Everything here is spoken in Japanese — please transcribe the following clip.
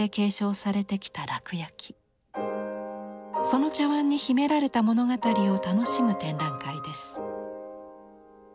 その茶碗に秘められたものがたりを楽しむ展覧会です。